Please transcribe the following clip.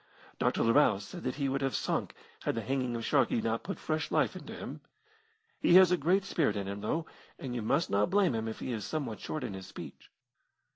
Dr. Larousse said that he would have sunk had the hanging of Sharkey not put fresh life into him. He has a great spirit in him, though, and you must not blame him if he is somewhat short in his speech."